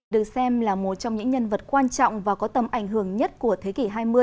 được xem là một trong những nhân vật quan trọng và có tầm ảnh hưởng nhất của thế kỷ hai mươi